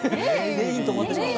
全員止まってしまった。